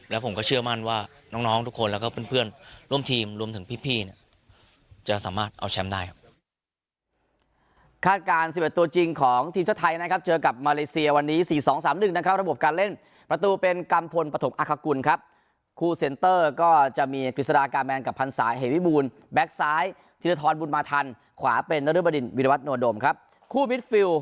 แล้วผมก็เชื่อมั่นว่าน้องทุกคนแล้วก็เพื่อนร่วมทีมรวมถึงพี่เนี่ยจะสามารถเอาแชมป์ได้ครับ